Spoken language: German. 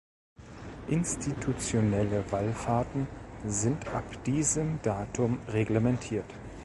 Institutionelle Wallfahrten sind ab diesem Datum reglementiert.